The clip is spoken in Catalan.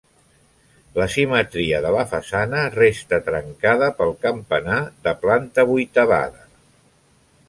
La simetria de la façana resta trencada pel campanar de planta vuitavada.